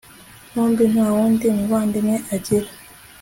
bombi nta n'undi muvandimwe agira